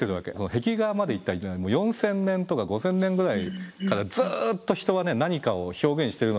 壁画までいったら４，０００年とか５，０００年ぐらいずっと人は何かを表現してるのよ。